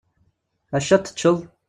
Acu ara teččeḍ?